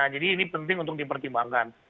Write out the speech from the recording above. jadi ini penting untuk dipertimbangkan